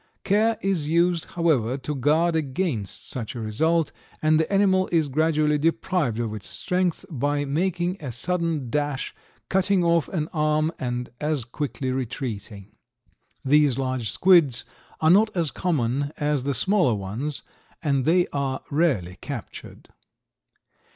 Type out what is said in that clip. Care is used, however, to guard against such a result, and the animal is gradually deprived of its strength by making a sudden dash, cutting off an arm and as quickly retreating. These large squids are not as common as the smaller ones and they are rarely captured.